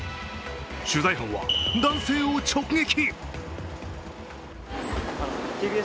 取材班は、男性を直撃。